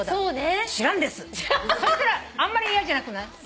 そしたらあんまり嫌じゃなくない？